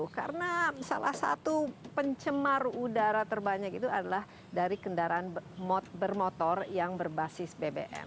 karena salah satu pencemar udara terbanyak itu adalah dari kendaraan bermotor yang berbasis bbm